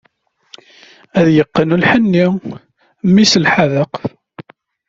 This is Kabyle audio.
Ad yeqqen lḥenni, mmi-s n lḥadeq.